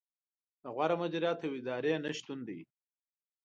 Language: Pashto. د غوره مدیریت او ادارې نه شتون دی.